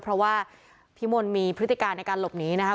เพราะว่าพี่มนต์มีพฤติการในการหลบหนีนะครับ